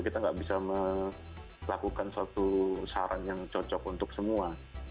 kita nggak bisa melakukan suatu saran yang cocok untuk semua